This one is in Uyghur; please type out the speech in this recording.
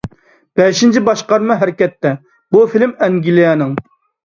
«بەشىنچى باشقارما ھەرىكەتتە»، بۇ فىلىم ئەنگلىيەنىڭ.